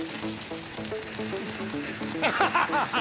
ハハハハ！